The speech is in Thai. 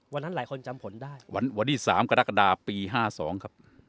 วันนั้นหลายคนจำผลได้วันวันนี้สามกระดักดาปีห้าสองครับ